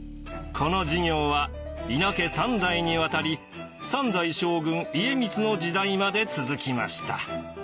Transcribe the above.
この事業は伊奈家三代にわたり三代将軍家光の時代まで続きました。